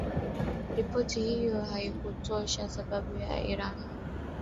Ripoti hiyo haikutoa sababu ya Iran kusitisha mazungumzo kwa muda